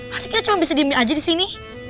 pasti kita cuma bisa diemin aja di sini